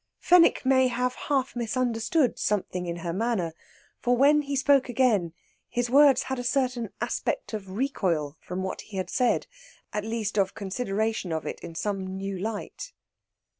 Fenwick may have half misunderstood something in her manner, for when he spoke again his words had a certain aspect of recoil from what he had said, at least of consideration of it in some new light.